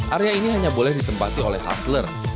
area ini hanya boleh ditempati oleh tasler